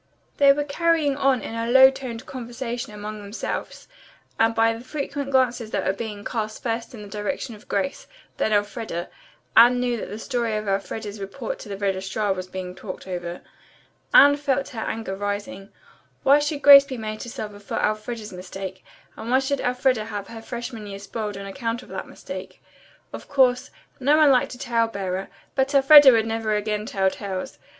They were carrying on a low toned conversation among themselves, and by the frequent glances that were being cast first in the direction of Grace, then Elfreda, Anne knew that the story of Elfreda's report to the registrar was being talked over. Anne felt her anger rising. Why should Grace be made to suffer for Elfreda's mistake, and why should Elfreda have her freshman year spoiled on account of that mistake. Of course, no one liked a tale bearer, but Elfreda would never again tell tales.